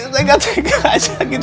tengah tengah aja gitu